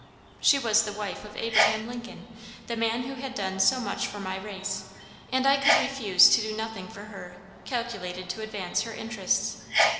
She was the wife of Abraham Lincoln, the man who had done so much for my race, and I could refuse to do nothing for her, calculated to advance her interests.